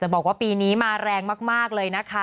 แต่บอกว่าปีนี้มาแรงมากเลยนะคะ